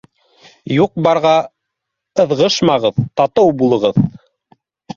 Юҡҡа-барға ыҙғышмағыҙ, татыу булығыҙ!